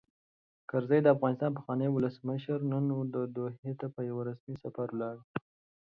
کرزی؛ د افغانستان پخوانی ولسمشر، نن دوحې ته په یوه رسمي سفر ولاړ.